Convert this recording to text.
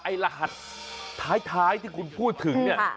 รหัสท้ายที่คุณพูดถึงเนี่ย